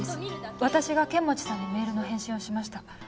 私が剣持さんにメールの返信をしました。